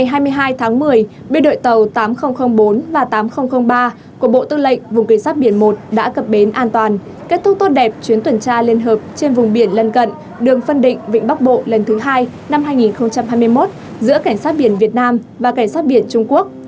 ngày hai mươi hai tháng một mươi biên đội tàu tám nghìn bốn và tám nghìn ba của bộ tư lệnh vùng cảnh sát biển một đã cập bến an toàn kết thúc tốt đẹp chuyến tuần tra liên hợp trên vùng biển lân cận đường phân định vịnh bắc bộ lần thứ hai năm hai nghìn hai mươi một giữa cảnh sát biển việt nam và cảnh sát biển trung quốc